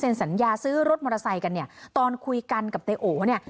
สัญญาซื้อรถมอเตอร์ไซค์กันเนี่ยตอนคุยกันกับนายโอเนี่ย